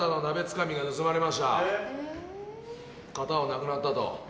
片方なくなったと。